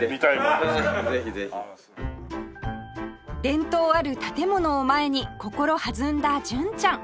伝統ある建物を前に心弾んだ純ちゃん